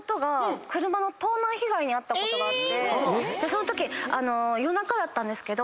そのとき夜中だったんですけど。